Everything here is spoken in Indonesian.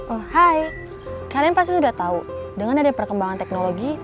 oh hai kalian pasti sudah tahu dengan ada perkembangan teknologi